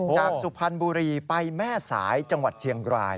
สุพรรณบุรีไปแม่สายจังหวัดเชียงราย